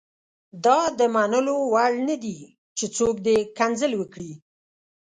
دا د منلو وړ نه دي چې څوک دې کنځل وکړي.